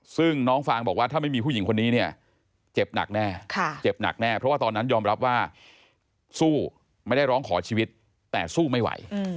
ซึ่งน้องฟางบอกว่าถ้าไม่มีผู้หญิงคนนี้เนี่ยเจ็บหนักแน่เจ็บหนักแน่เพราะว่าตอนนั้นยอมรับว่าสู้ไม่ได้ร้องขอชีวิตแต่สู้ไม่ไหว